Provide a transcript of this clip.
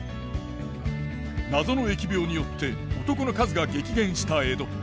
謎の疫病によって男の数が激減した江戸。